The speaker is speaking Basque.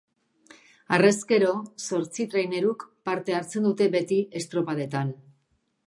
Harrezkero, zortzi traineruk parte hartzen dute beti estropadetan.